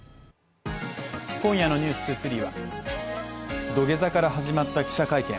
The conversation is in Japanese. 今夜の「ｎｅｗｓ２３」は土下座から始まった記者会見。